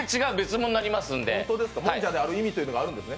もんじゃである意味というのがあるんですね？